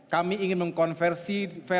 kami ingin mengkonversi